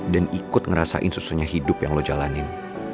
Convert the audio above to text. dan ikut ngerasain susunnya hidup yang lo jalanin